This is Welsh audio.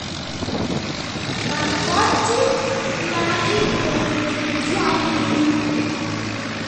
Mae Modryb Magi wedi diflannu!